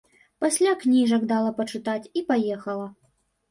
Пасля кніжак дала пачытаць і паехала.